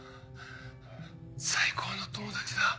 最高の友達だ。